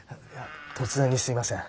突然にすいません。